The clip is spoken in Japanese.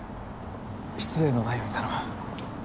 失礼のないように頼む。